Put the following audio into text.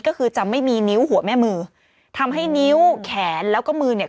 ก็คือจะไม่มีนิ้วหัวแม่มือทำให้นิ้วแขนแล้วก็มือเนี่ย